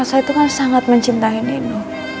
elsa itu kan sangat mencintai nino